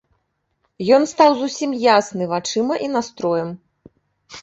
Ён стаў зусім ясны вачыма і настроем.